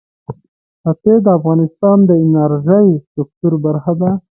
ښتې د افغانستان د انرژۍ سکتور برخه ده.